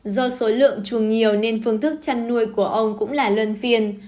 do số lượng chuồng nhiều nên phương thức chăn nuôi của ông cũng là luân phiên